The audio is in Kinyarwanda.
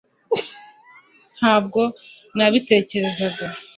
ntabwo nabitekerezaga